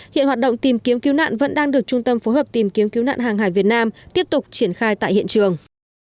hiện hoạt động tìm kiếm cứu nạn vẫn đang được trung tâm phối hợp tìm kiếm cứu nạn hàng hải việt nam tiếp tục triển khai tại hiện trường